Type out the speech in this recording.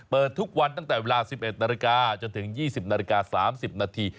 เปิดทุกวันตั้งแต่เวลาสิบเอ็ดนาฬิกาจนถึงยี่สิบนาฬิกาสามสิบนาที